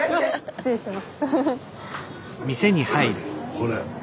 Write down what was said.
これ。